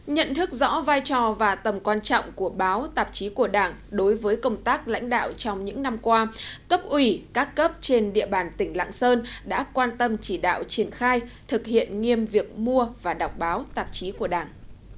nhận thức rõ vai trò và tầm quan trọng của báo tạp chí của đảng đối với công tác lãnh đạo trong những năm qua cấp ủy các cấp trên địa bàn tỉnh lạng sơn đã quan tâm chỉ đạo triển khai thực hiện nghiêm việc mua và đọc báo tạp chí của đảng